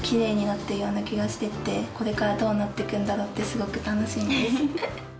これからどうなって行くんだろうってすごく楽しみです。